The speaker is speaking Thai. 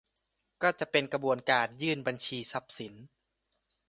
ก็จะเป็นกระบวนการยื่นบัญชีทรัพย์สิน